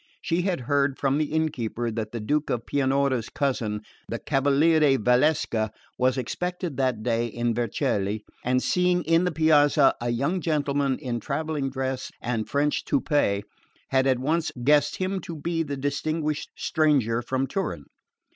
She had heard from the innkeeper that the Duke of Pianura's cousin, the Cavaliere Valsecca, was expected that day in Vercelli; and seeing in the Piazza a young gentleman in travelling dress and French toupet, had at once guessed him to be the distinguished stranger from Turin.